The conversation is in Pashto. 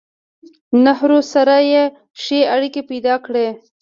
نهرو سره يې ښې اړيکې پېدا کړې